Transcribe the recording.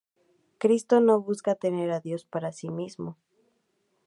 Cristo no busca tener a Dios para sí mismo.